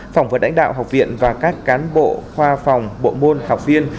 phòng vật đánh đạo học viện và các cán bộ khoa phòng bộ môn học viên